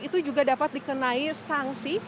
itu juga dapat dikenai sanksi